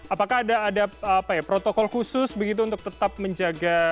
apakah ada protokol khusus begitu untuk tetap menjaga